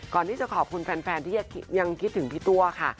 ก่อนที่จะขอบคุณแฟนที่ยังคิดถึงพี่ตัวค่ะ